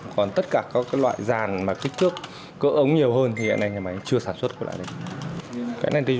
còn tất cả các loại giàn mà kích thước cỡ ống nhiều hơn thì nhà máy chưa sản xuất